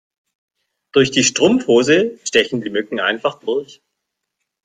Durch die Strumpfhose stechen die Mücken einfach durch.